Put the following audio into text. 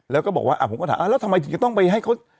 แล้วก็บอกว่าผมก็ถามแล้วทำไมถึงจะต้องไปให้เขา